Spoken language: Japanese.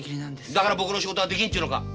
だから僕の仕事はできんっちゅうのか？